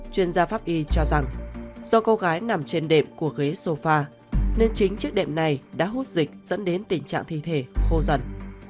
chuyên gia pháp y cho rằng do cô gái nằm trên đệm của ghế sofa nên chính chiếc đệm này đã hút dịch dẫn đến tình trạng thi thể khô dần